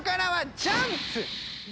ジャンプ！